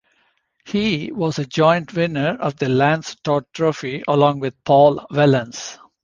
He was a joint winner of the Lance Todd Trophy along with Paul Wellens.